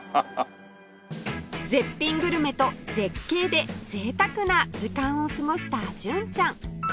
絶品グルメと絶景で贅沢な時間を過ごした純ちゃん